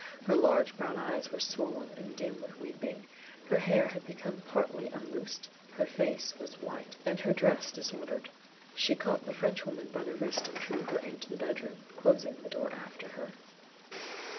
Her large brown eyes were swollen and dim with weeping, her hair had become partly unloosened, her face was white and her dress disordered. She caught the Frenchwoman by the wrist and drew her into the bedroom, closing the door after her.